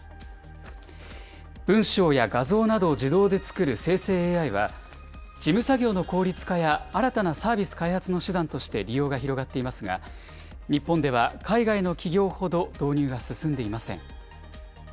文章や画像などを自動で作る生成ＡＩは、事務作業の効率化や、新たなサービス開発の手段として利用が広がっていますが、日本では海外の企業ほど導入が進んでいません。